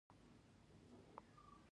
ما يې سترګو ته وکتل.